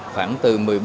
khoảng từ một mươi bốn